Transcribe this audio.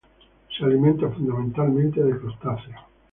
Se alimenta fundamentalmente de crustáceos.